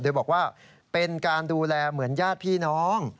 โดยบอกว่าเป็นการดูแลเหมือนญาติพี่น้อง